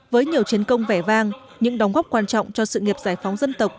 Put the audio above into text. với nhiều chiến công vẻ vang những đóng góp quan trọng cho sự nghiệp giải phóng dân tộc